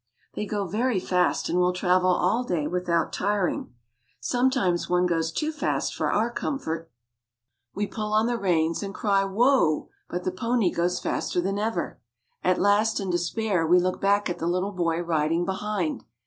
They go very fast, and will travel all day without tiring/ Sometimes one goes too fast for our com fort. We pull on the reins and cry whoa ! but the pony goes faster than ever. At last, in despair, we look back at the little boy riding behind.